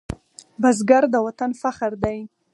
بزګر د وطن فخر دی